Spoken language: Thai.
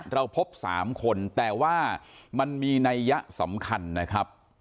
เราพบ๓คนแต่ว่ามันมีนัยยะสำคัญนะครับ